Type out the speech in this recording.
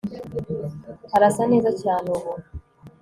arasa neza cyane ubu